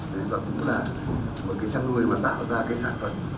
thứ ba cũng là một cái chăn nuôi mà tạo ra cái sản phẩm